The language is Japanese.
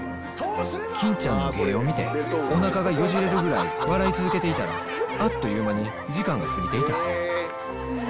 欽ちゃんの芸を見ておなかがよじれるぐらい笑い続けていたらあっという間に時間が過ぎていた